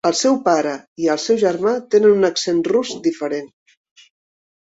El seu pare i el seu germà tenen un accent rus diferent.